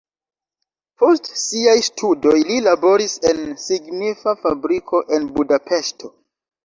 Post siaj studoj li laboris en signifa fabriko en Budapeŝto.